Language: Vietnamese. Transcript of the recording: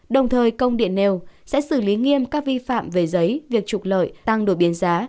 đồng thời công điện nêu sẽ xử lý nghiêm các vi phạm về giấy việc trục lợi tăng đột biến giá